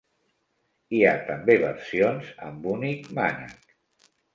Hi ha també versions amb únic mànec.